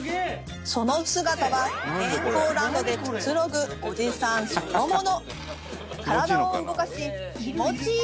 その姿は健康ランドでくつろぐオジサンそのもの